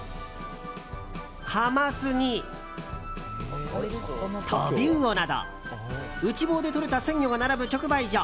カマスにトビウオなど内房でとれた鮮魚が並ぶ直売所。